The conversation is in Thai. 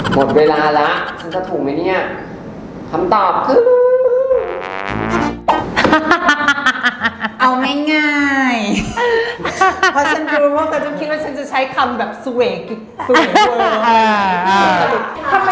เพราะฉันรู้ว่าเขาจะคิดว่าฉันจะใช้คำแบบสวยกิ๊กสวยโกรธ